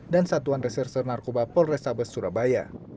dan satuan reserse narkoba polresta besurabaya